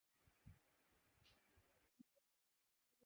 voting کے لیے کوئی حتمی وقت طے نہیں ہو سکا